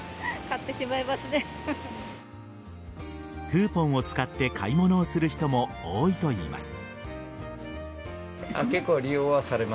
クーポンを使って買い物をする人も多いといいます。